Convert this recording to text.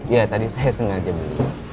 ya tadi saya sengaja beli